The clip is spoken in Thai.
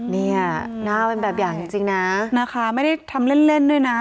เนี่ยหน้าเป็นแบบอย่างจริงนะนะคะไม่ได้ทำเล่นด้วยนะ